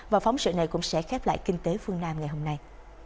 và phóng sự này cũng sẽ khép lại kinh tế phương nam ngày hôm nay